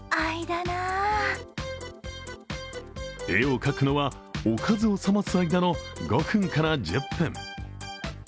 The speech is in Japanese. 絵を描くのは、おかずを冷ます間の５分から１０分。